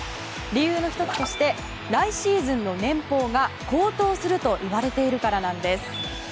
理由の１つとして来シーズンの年俸が高騰するといわれているからなんです。